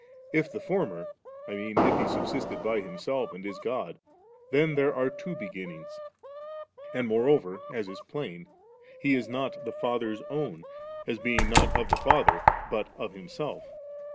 If the former, I mean if He subsisted by Him self and is God, then there are two Beginnings ; and moreover, as is plain. He is not the Father's own, as being not of the Father, but of Himself.